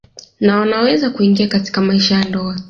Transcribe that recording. Na wanaweza kuingia katika maisha ya ndoa